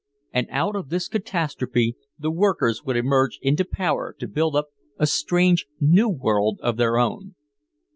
And out of this catastrophe the workers would emerge into power to build up a strange new world of their own.